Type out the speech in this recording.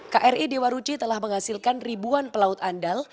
kri dewa ruchi telah menghasilkan ribuan pelaut andal